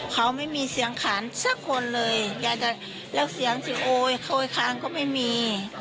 เขาไม่มีเสียงขานสักคนเลยยายจะแล้วเสียงสิโอยโคยคางก็ไม่มี